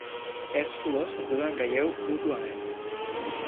Certs colors es donen relleu mútuament.